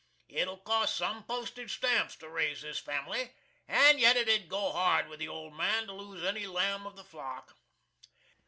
It'll cost some postage stamps to raise this fam'ly, and yet it 'ud go hard with the old man to lose any lamb of the flock.